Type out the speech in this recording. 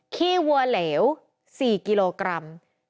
้วัวเหลว๔กิโลกรัม